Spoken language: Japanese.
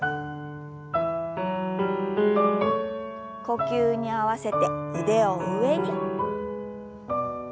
呼吸に合わせて腕を上に。